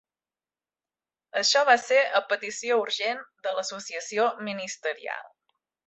Això va ser a petició urgent de l'Associació Ministerial.